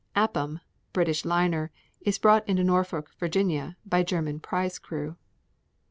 Appam, British liner, is brought into Norfolk, Va., by German prize crew.